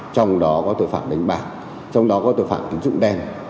trong đó có tội phạm đánh bạc trong đó có tội phạm tín dụng đen